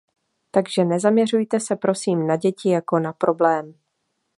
Takže nezaměřujte se prosím na děti jako na problém.